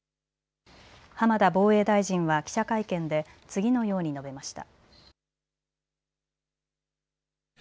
浜田防衛大臣は記者会見で次のように述べました。